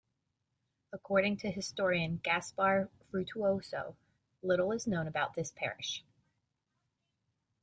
According to historian Gaspar Frutuoso, little is known about this parish.